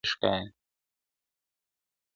نه نیژدې او نه هم لیري بله سره غوټۍ ښکاریږي ,